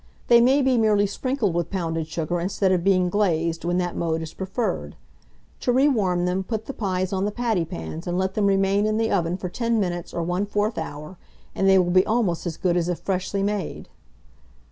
They may be merely sprinkled with pounded sugar instead of being glazed, when that mode is preferred. To re warm them, put the pies on the pattypans, and let them remain in the oven for 10 minutes or 1/4 hour, and they will be almost as good as if freshly made.